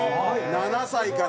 ７歳から。